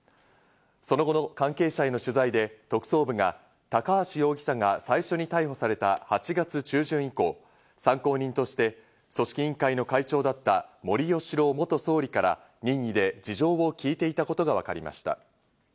その後の関係者への取材で、特捜部が高橋容疑者が最初に逮捕された８月中旬以降、参考人として組織委員会の会長だった森喜朗元総理から任意で事情を聴いていたことがわかりました。